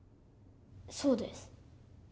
そうです。